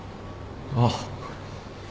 ああ。